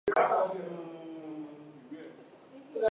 Frances Willard Avenue in Chico, California is named in her honor.